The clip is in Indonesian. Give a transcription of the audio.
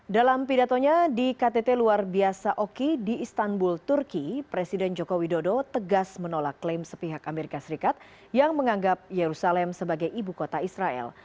dalam pidatonya di ktt luar biasa oki di istanbul turki presiden joko widodo tegas menolak klaim sepihak amerika serikat yang menganggap yerusalem sebagai ibu kota israel